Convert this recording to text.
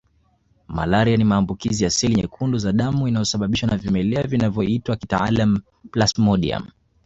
Malaria ni maambukizi ya seli nyekundu za damu inayosababishwa na vimelea vinavyoitwa kitaalamu Plasmodiumu